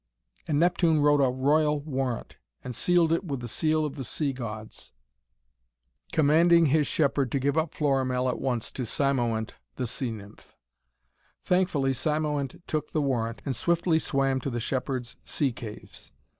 And Neptune wrote a royal warrant, and sealed it with the seal of the Sea Gods, commanding his shepherd to give up Florimell at once to Cymoënt the sea nymph. Thankfully Cymoënt took the warrant, and swiftly swam to the shepherd's sea caves.